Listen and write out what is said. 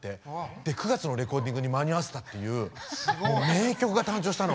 で９月のレコーディングに間に合わせたっていうもう名曲が誕生したの。